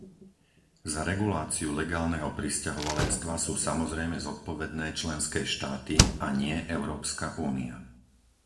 Za reguláciu legálneho prisťahovalectva sú samozrejme zodpovedné členské štáty, a nie Európska únia.